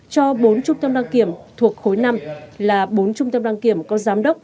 cho bốn trung tâm đăng kiểm thuộc khối năm là bốn trung tâm đăng kiểm có giám đốc